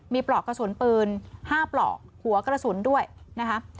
มีปลอกกระสุนปืน๕ปลอกหัวกระสุนด้วยนะคะ